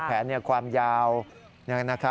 ตอนแรกก็ไม่แน่ใจนะคะ